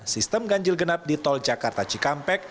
sistem ganjil genap di tol jakarta cikampek